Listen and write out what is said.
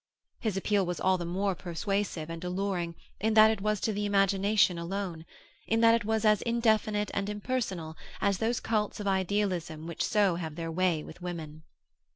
His appeal was all the more persuasive and alluring in that it was to the imagination alone, in that it was as indefinite and impersonal as those cults of idealism which so have their way with women.